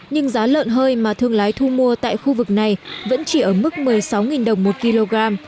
nhưng giá lợn hơi mà thương lái thu mua tại khu vực này vẫn chỉ ở mức một mươi sáu đồng một kg